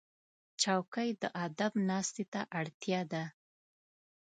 چوکۍ د ادب ناستې ته اړتیا ده.